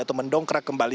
atau mendongkrak kembali